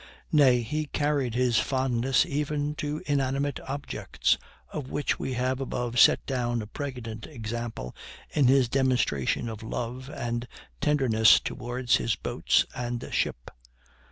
Nay, he carried his fondness even to inanimate objects, of which we have above set down a pregnant example in his demonstration of love and tenderness towards his boats and ship.